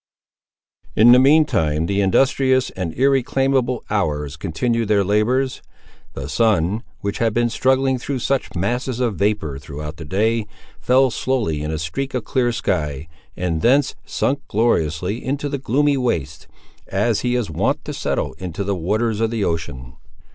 In the mean time the industrious and irreclaimable hours continued their labours. The sun, which had been struggling through such masses of vapour throughout the day, fell slowly in a streak of clear sky, and thence sunk gloriously into the gloomy wastes, as he is wont to settle into the waters of the ocean.